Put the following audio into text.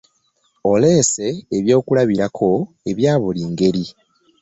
Oleese ebyokulabirako ebya buli ngeri.